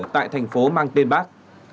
tại thành phố mang tên bắc